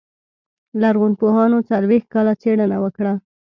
لرغونپوهانو څلوېښت کاله څېړنه وکړه.